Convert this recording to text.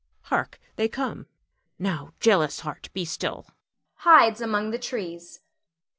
Hark! they come! Now, jealous heart, be still! [_Hides among the trees.